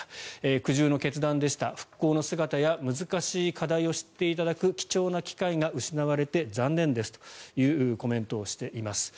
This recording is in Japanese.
苦渋の決断でした復興の姿や難しい課題を知っていただく貴重な機会が失われて残念ですというコメントをしています。